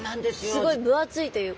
すごい分厚いというか。